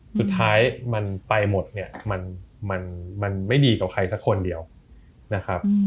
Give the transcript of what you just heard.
สุดท้ายมันไปหมดเนี่ยมันไม่ดีกับใครสักคนเดียวนะครับ